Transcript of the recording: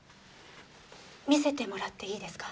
見せてもらっていいですか？